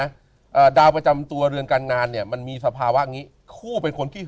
อ่าดาวประจำตัวเรือนการงานเนี้ยมันมีสภาวะงี้คู่เป็นคนขี้